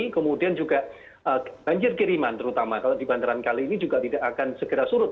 kemudian juga banjir kiriman terutama kalau di bandaran kali ini juga tidak akan segera surut